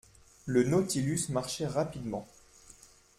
Le Nautilus marchait rapidement.